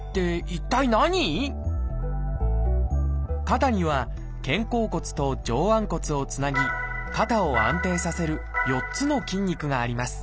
肩には肩甲骨と上腕骨をつなぎ肩を安定させる４つの筋肉があります。